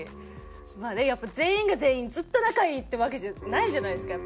まあねやっぱ全員が全員ずっと仲いいってわけじゃないじゃないですか。